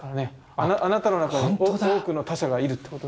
あなたの中に多くの他者がいるってこと。